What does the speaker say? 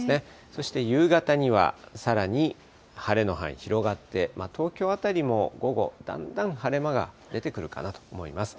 そして夕方にはさらに晴れの範囲広がって、東京辺りも午後、だんだん晴れ間が出てくるかなと思います。